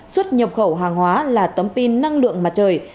xuất nhập khẩu hàng hóa là tấm pin năng lượng mặt trời